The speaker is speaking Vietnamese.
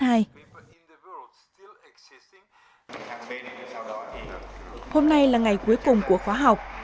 hôm nay là ngày cuối cùng của khóa học